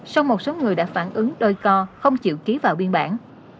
song một số người đã phản ứng đôi co không chịu ký vào biên bản